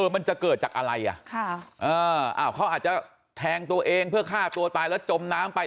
มันจะเกิดจากอะไรเขาอาจจะแทงตัวเองเพื่อฆ่าตัวตายแล้วจมน้ำไป